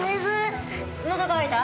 喉渇いた？